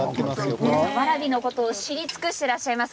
わらびのことを知り尽くしていらっしゃいます。